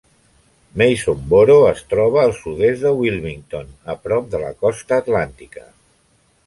Masonboro es troba al sud-est de Wilmington, a prop de la costa atlàntica.